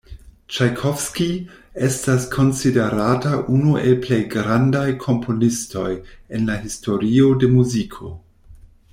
Ĉajkovskij estas konsiderata unu el plej grandaj komponistoj en la historio de muziko.